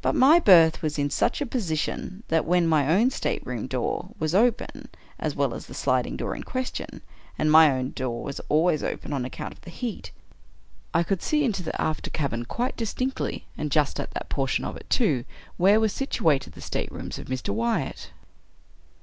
But my berth was in such a position, that when my own stateroom door was open, as well as the sliding door in question, (and my own door was ahvays open on account of the heat,) I ii8 Edgar Allan Poe could see into the after cabin quite distinctly, and just at that portion of it, too, where were situated the staterooms of Mr. Wyatt.